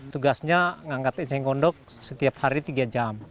tugasnya mengangkat eceng gondok setiap hari tiga jam